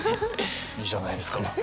いいじゃないですか。